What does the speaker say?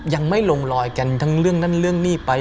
ยังไม่ลงลอยกันทั้งเรื่องนั่นเรื่องนี้ไป